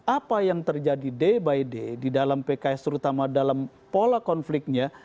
apa yang terjadi day by day di dalam pks terutama dalam pola konfliknya